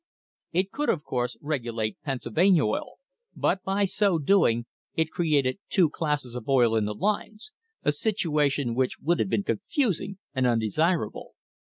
It could, of course, regulate Pennsylvania oil, but, by so doing, it created two classes of oil in the lines, a situation which would have been confusing and undesirable.